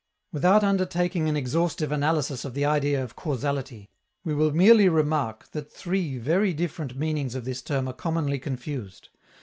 Without undertaking an exhaustive analysis of the idea of causality, we will merely remark that three very different meanings of this term are commonly confused.